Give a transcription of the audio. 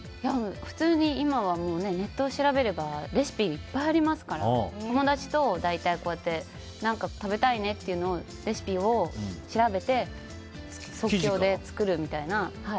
普通に今はネットで調べればレシピがいっぱいありますから友達と大体何か食べたいなっていうのをレシピを調べて即興で作るみたいな。